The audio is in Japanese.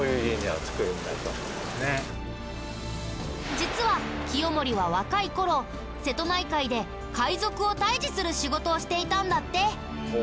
実は清盛は若い頃瀬戸内海で海賊を退治する仕事をしていたんだって。